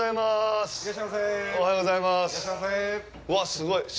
すごい。